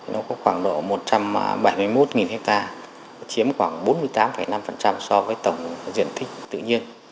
nó có khoảng độ một trăm bảy mươi một ha chiếm khoảng bốn mươi tám năm so với tổng diện tích tự nhiên